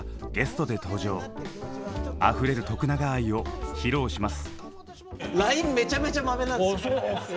あふれる永愛を披露します！